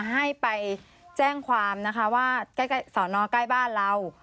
ให้ไปแจ้งความนะคะว่าสอนอก้ายบ้านเรา